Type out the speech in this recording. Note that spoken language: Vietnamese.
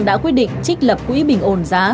đã quyết định trích lập quỹ bình ồn giá